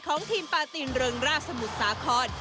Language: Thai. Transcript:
ของทีมปาตินเริงราชสมุทรสาคร